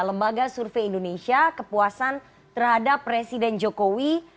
lembaga survei indonesia kepuasan terhadap presiden jokowi